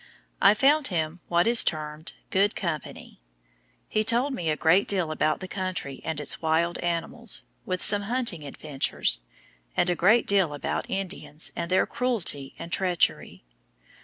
I found him what is termed "good company." He told me a great deal about the country and its wild animals, with some hunting adventures, and a great deal about Indians and their cruelty and treachery.